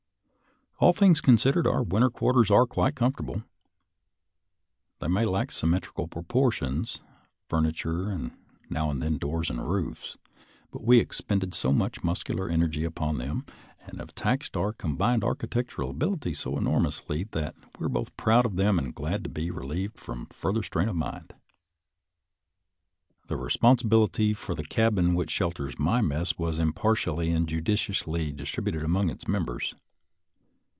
••• All things considered, our winter quarters are quite comfortable. They may lack symmetrical 15 16 SOLDIER'S LETTERS TO CHARMING NELLIE proportions, furniture, and now and then doors and roofs, but we have expended so much muscu lar energy upon them, and have taxed our com bined architectural abilities so enormously, that we are both proud of them and glad to be re lieved, from further strain of mind. The re sponsibility for the cabin which shelters my mess was impartially and judiciously distributed among its members.